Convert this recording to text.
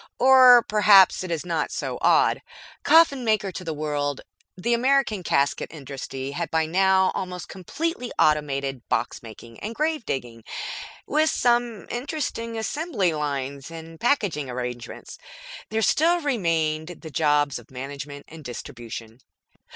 Or perhaps it is not so odd. Coffin maker to the world, the American casket industry had by now almost completely automated box making and gravedigging, with some interesting assembly lines and packaging arrangements; there still remained the jobs of management and distribution.